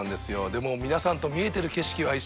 でも皆さんと見えてる景色は一緒なんで。